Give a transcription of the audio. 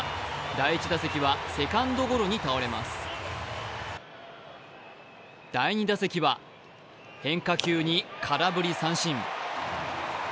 第１打席はセカンドゴロに倒れます第２打席は変化球に空振り三振。